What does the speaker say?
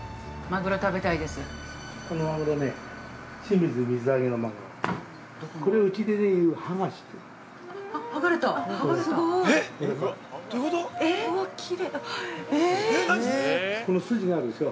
◆マグロが食べたいです。